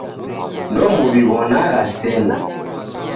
Ndomuw'iwo'nagha sena.